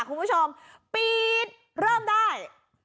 คุณผู้ชมปี๊ดเริ่มได้